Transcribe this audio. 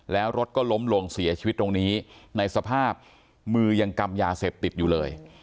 แล้วรถก็ล้มลงเสียชีวิตตรงนี้ในสภาพมือยังกำยาเสพติดอยู่เลย